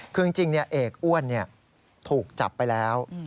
คือจริงเนี่ยเอกอ้วนเนี่ยถูกจับไปแล้ว